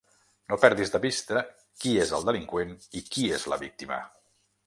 No perdis de vista qui és el delinqüent i qui és la víctima!